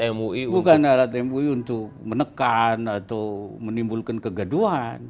dan bukan alat mui untuk menekan atau menimbulkan kegaduhan